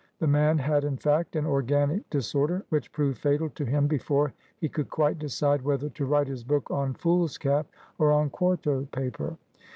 The man had, in fact, an organic disorder, which proved fatal to him before he could quite decide whether to write his book on foolscap or on quarto paper.